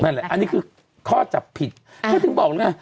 นอนไม่พอ